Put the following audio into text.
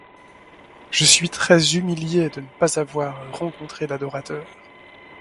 Je suis très humiliée de ne pas avoir rencontré d’adorateur.